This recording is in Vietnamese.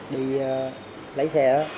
đi lấy xe